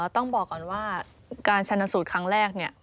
ต้องบอกก่อนว่าการชนะสูตรครั้งแรกเนี่ย